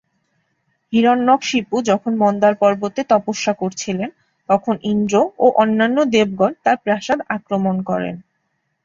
হিরণ্যকশিপু যখন মন্দার পর্বতে তপস্যা করছিলেন, তখন ইন্দ্র ও অন্যান্য দেবগণ তার প্রাসাদ আক্রমণ করেন।